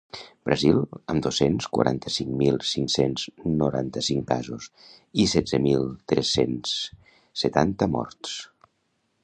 Brasil, amb dos-cents quaranta-cinc mil cinc-cents noranta-cinc casos i setze mil tres-cents setanta morts.